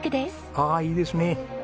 ああいいですねえ。